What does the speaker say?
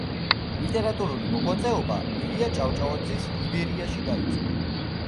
ლიტერატურული მოღვაწეობა ილია ჭავჭავაძის „ივერიაში“ დაიწყო.